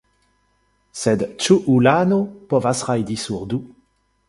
Sed ĉu ulano povas rajdi sur du?